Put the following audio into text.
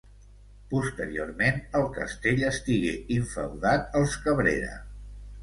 Posteriorment el castell estigué infeudat als Cabrera.